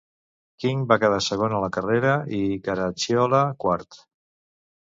Kling va quedar segon a la carrera i Caracciola quart.